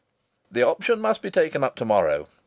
"The option must be taken up to morrow.